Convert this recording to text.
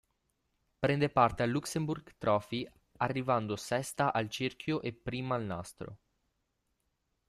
Prende parte al Luxembourg Trophy, arrivando sesta al cerchio e prima al nastro.